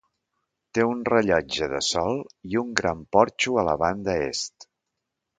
Té un rellotge de sol i un gran porxo a la banda est.